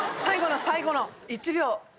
最後の最後の１秒。